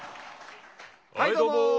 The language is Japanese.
はいどうも！